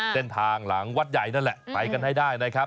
เส้นทางหลังวัดใหญ่นั่นแหละไปกันให้ได้นะครับ